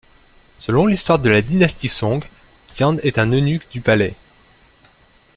Selon l'histoire de la dynastie Song, Xian est un eunuque du palais.